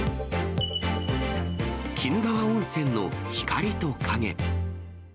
鬼怒川温泉の光と影。